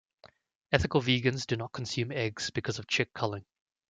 Ethical vegans do not consume eggs because of chick culling.